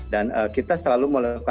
dan kita selalu melakukan efeknya